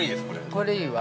◆これいいわ。